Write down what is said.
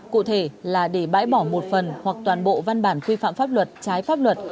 cụ thể là để bãi bỏ một phần hoặc toàn bộ văn bản quy phạm pháp luật trái pháp luật